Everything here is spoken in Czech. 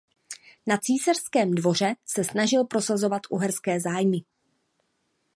Na císařském dvoře se snažil prosazovat uherské zájmy.